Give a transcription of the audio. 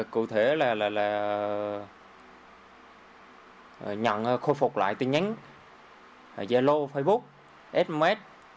cụ thể là nhận khôi phục lại tin nhắn gia lô facebook fms